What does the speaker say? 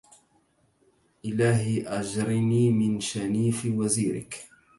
إلهي أجرني من شنيف وزيرك